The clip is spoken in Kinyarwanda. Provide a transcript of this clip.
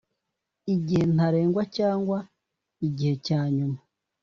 igihe ntarengwa cyangwa igihe cya nyuma